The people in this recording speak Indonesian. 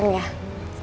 ini sih ya tante